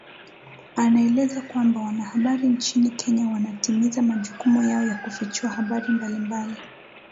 anaeleza kwamba wanahabri nchini Kenya wanatimiza majukumu yao ya kufichua habari mbalimbali